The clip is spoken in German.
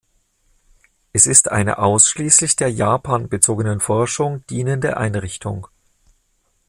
Es ist eine ausschließlich der Japan-bezogenen Forschung dienende Einrichtung.